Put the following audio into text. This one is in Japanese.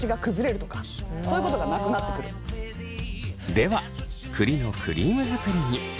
では栗のクリーム作りに。